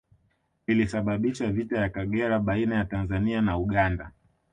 Lilisababisha vita ya Kagera baina ya Tanzania na Uganda